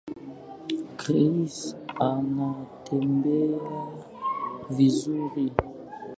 Chris anatembea vizuri